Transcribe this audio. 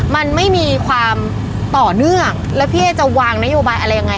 มันไม่มีความต่อเนื่องแล้วพี่เอ๊จะวางนโยบายอะไรยังไง